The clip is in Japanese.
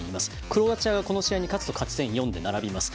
クロアチアがこの試合に勝つと勝ち点４で並びます。